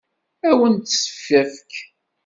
Ad wen-tt-tefk?